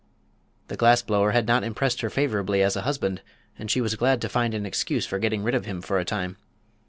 The glass blower had not impressed her favorably as a husband, and she was glad to find an excuse for getting rid of him for a time.